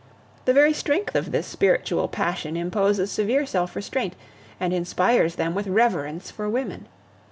The very strength of this spiritual passion imposes severe self restraint and inspires them with reverence for women.